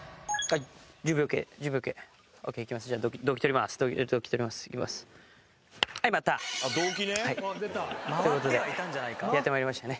っていうことでやってまいりましたね。